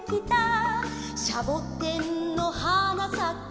「シャボテンのはなさく